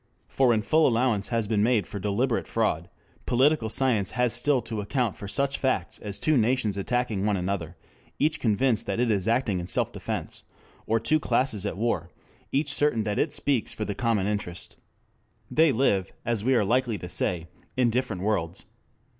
For when full allowance has been made for deliberate fraud, political science has still to account for such facts as two nations attacking one another, each convinced that it is acting in self defense, or two classes at war each certain that it speaks for the common interest. They live, we are likely to say, in different worlds.